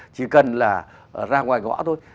chỉ cần là ra ngoài ngõ thôi